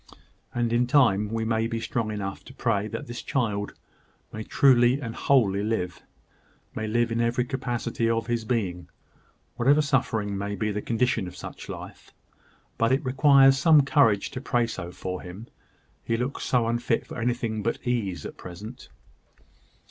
"And in time we may be strong enough to pray that this child may truly and wholly live may live in every capacity of his being, whatever suffering may be the condition of such life: but it requires some courage to pray so for him, he looks so unfit for anything but ease at present!"